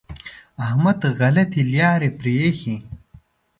احمد غلطې لارې پرېښې.